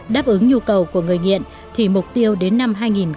đáp ứng nhu cầu của người nghiện thì mục tiêu đến năm hai nghìn ba mươi